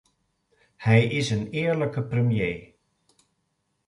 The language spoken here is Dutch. Hij is een eerlijke premier.